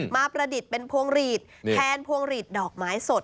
ประดิษฐ์เป็นพวงหลีดแทนพวงหลีดดอกไม้สด